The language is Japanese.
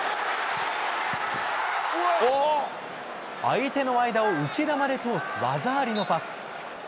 相手の間を浮き球で通す技ありのパス。